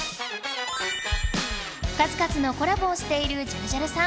数々のコラボをしているジャルジャルさん